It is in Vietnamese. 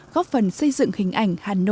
góp phần xây dựng hình ảnh hà nội xanh sạch đẹp